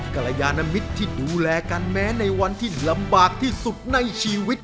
กรยานมิตรที่ดูแลกันแม้ในวันที่ลำบากที่สุดในชีวิต